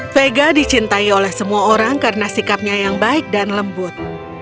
vega dicintai oleh semua orang karena sikapnya yang baik dan lembut